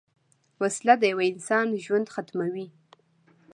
وسله د یوه انسان ژوند ختموي